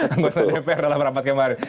anggota dpr dalam rapat kemarin